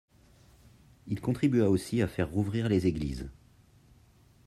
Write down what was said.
Il contribua aussi à faire rouvrir les églises.